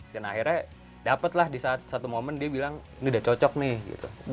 dan akhirnya dapet lah di satu momen dia bilang ini udah cocok nih